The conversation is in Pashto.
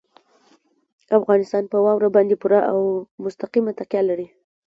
افغانستان په واوره باندې پوره او مستقیمه تکیه لري.